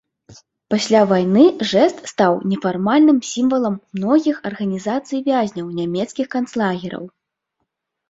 Пасля вайны жэст стаў нефармальным сімвалам многіх арганізацый вязняў нямецкіх канцлагераў.